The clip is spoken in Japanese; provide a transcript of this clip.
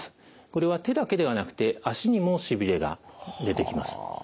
これは手だけではなくて足にもしびれが出てきます。